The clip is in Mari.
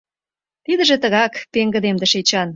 — Тидыже тыгак, — пеҥгыдемдыш Эчан.